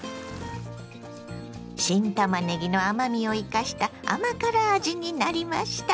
新たまねぎの甘みを生かした甘辛味になりました。